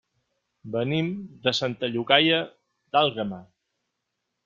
Venim de Santa Llogaia d'Àlguema.